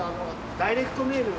ダイレクトメール。